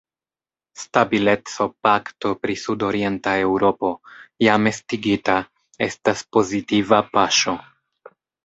Stabileco-pakto pri sud-orienta Eŭropo, jam estigita, estas pozitiva paŝo.